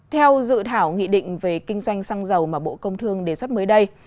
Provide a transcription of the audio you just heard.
theo dự thảo nghị định về kinh doanh xăng dầu mà bộ công thương đề xuất mới đây